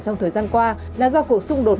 trong thời gian qua là do cuộc xung đột